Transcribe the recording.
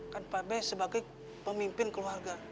kan pak b sebagai pemimpin keluarga